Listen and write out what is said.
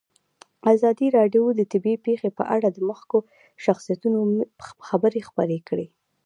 ازادي راډیو د طبیعي پېښې په اړه د مخکښو شخصیتونو خبرې خپرې کړي.